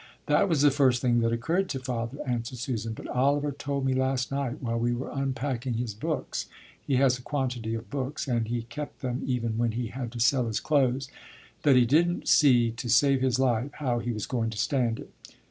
"That was the first thing that occurred to father," answered Susan, "but Oliver told me last night while we were unpacking his books he has a quantity of books and he kept them even when he had to sell his clothes that he didn't see to save his life how he was going to stand it."